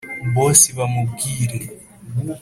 boss bamubwire.